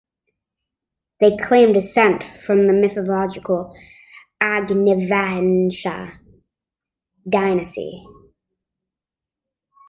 They claim descent from the mythological Agnivansha dynasty.